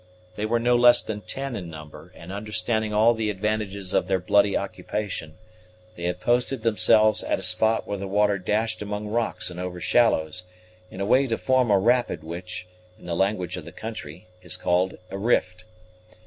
They were no less than ten in number; and, understanding all the advantages of their bloody occupation, they had posted themselves at a spot where the water dashed among rocks and over shallows, in a way to form a rapid which, in the language of the country, is called a rift.